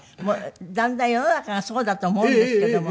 だんだん世の中がそうだと思うんですけども。